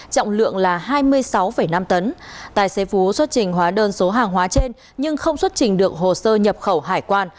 trọng lượng là hai mươi sáu năm tấn tài xế phú xuất trình hóa đơn số hàng hóa trên nhưng không xuất trình được hồ sơ nhập khẩu hải quan